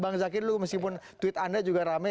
bang zaky dulu meskipun tweet anda juga rame